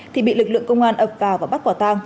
thì bị lực lượng công an ập vào và bắt quả tang